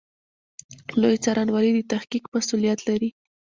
لوی څارنوالي د تحقیق مسوولیت لري